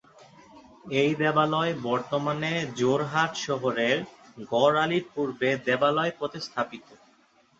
এই দেবালয় বর্তমানে যোরহাট শহরের গড় আলির পূর্বে দেবালয় পথে স্থাপিত।